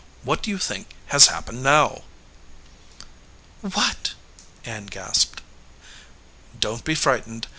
What do you think has happened now ?" "What?" Ann gasped. "Don t be frightened.